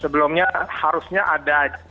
sebelumnya harusnya ada